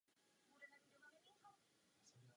V užším kontextu označuje ostrovy Oceánie.